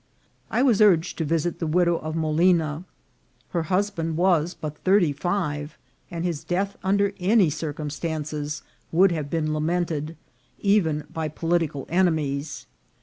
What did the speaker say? I was urged to visit the widow of Molina. Her hus band was but thirty five, and his death under any cir cumstances would have been lamented, even by political enemies.